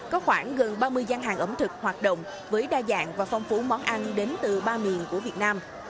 có khoảng gần ba mươi gian hàng ẩm thực hoạt động với đa dạng và phong phú món ăn đến từ ba miền của việt nam